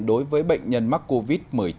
đối với bệnh nhân mắc covid một mươi chín